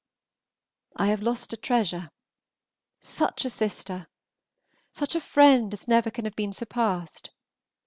I have lost a treasure, such a sister, such a friend as never can have been surpassed.